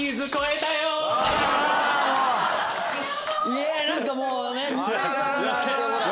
いや何かもうね。